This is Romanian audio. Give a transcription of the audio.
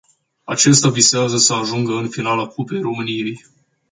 Acesta visează să ajungă în finala cupei româniei.